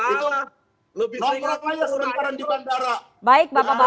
itu nomoran saya sedemikian di bandara